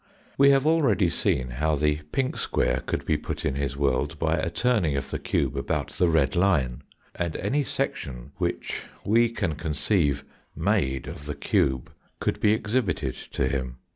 We have already seen how the pink square could be put in his world by a turning of the cube about the red line. And any section which we can conceive made of the cube could be exhibited to him.